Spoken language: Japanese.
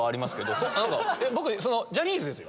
ウソ⁉僕ジャニーズですよ！